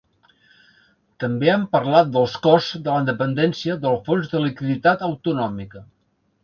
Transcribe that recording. També han parlat dels costs de la dependència del fons de liquiditat autonòmica.